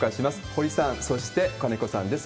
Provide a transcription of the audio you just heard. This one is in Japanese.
堀さん、そして金子さんです。